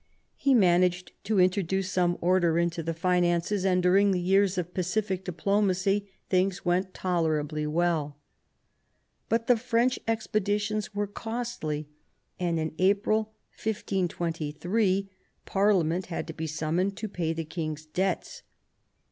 He managed to introduce some order into the finances, and during the years of pacific diplomacy things went tolerably well. But the French expeditions were costly, and in April 1523 Parliament had to be summoned to pay the king's debts.